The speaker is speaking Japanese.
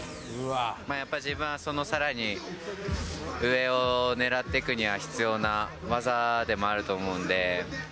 やっぱり自分はさらにその上を狙っていくには必要な技でもあると思うんで。